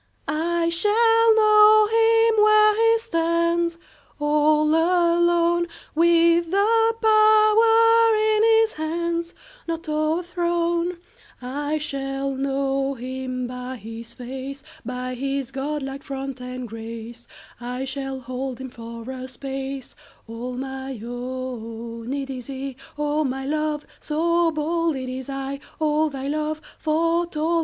I shall know him where he stands All alone, 10 With the power in his hands Not o'erthrown; I shall know him by his face, By his godlike front and grace; I shall hold him for a space 15 All my own! It is he—O my love! So bold! It is I—all thy love Foretold!